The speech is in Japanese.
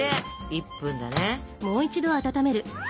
１分だね。